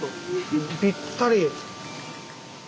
ぴったり！